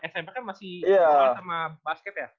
smp kan masih jual sama basket ya